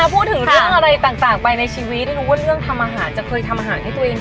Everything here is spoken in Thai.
พูดถึงเรื่องอะไรต่างไปในชีวิตได้รู้ว่าเรื่องทำอาหารจะเคยทำอาหารให้ตัวเอง